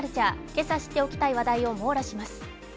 今朝知っておきたい話題を網羅します。